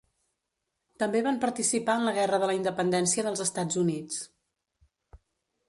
També van participar en la Guerra de la Independència dels Estats Units.